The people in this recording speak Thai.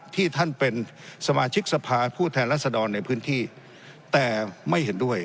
ที่ท่านเป็นสมาชิกสภาผู้แทนรัศดรในพื้นที่แต่ไม่เห็นด้วย